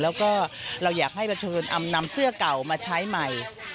แล้วก็เราอยากให้ประชาชนนำเสื้อเก่ามาใช้ใหม่